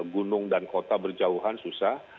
gunung dan kota berjauhan susah